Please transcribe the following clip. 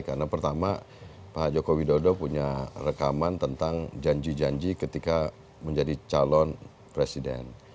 karena pertama pak joko widodo punya rekaman tentang janji janji ketika menjadi calon presiden